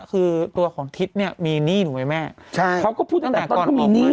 คือตัวของทิศเนี่ยมีหนี้ถูกไหมแม่ใช่เขาก็พูดตั้งแต่ต้นเขามีหนี้